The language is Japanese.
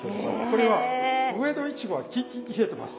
これは上のイチゴはキンキンに冷えてます。